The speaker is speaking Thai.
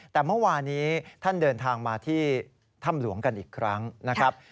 แต่เมื่อวานี้ท่านเดินทางมาที่ถ้ำหลวงกันอีกครั้งนะครับ